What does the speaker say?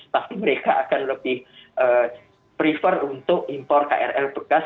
pasti mereka akan lebih prefer untuk impor krl bekas